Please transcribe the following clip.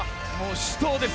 死闘です。